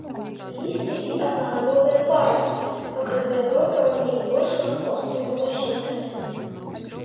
Лісце і аднагадовыя парасткі пакрытыя зоркавымі і збольшага простымі валасінкамі.